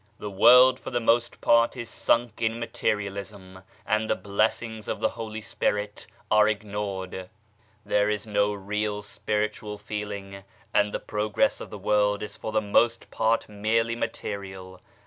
The world for the most part is sunk in materialism, and the blessings of the Holy Spirit are ignored. There is so little real spiritual feeling, and the progress of the world is for the most part merely material.